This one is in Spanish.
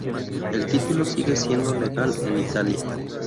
El título sigue siendo legal en Italia.